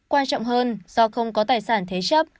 quan trọng hơn do không có tài sản thế chấp